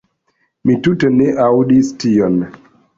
Mi tute ne aŭdis tion."